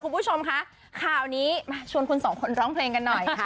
คุณผู้ชมคะข่าวนี้มาชวนคุณสองคนร้องเพลงกันหน่อยค่ะ